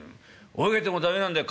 「泳げても駄目なんだよ